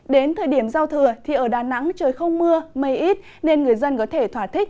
đến thời điểm giao thừa thì ở đà nẵng trời không mưa mây ít nên người dân có thể thỏa thích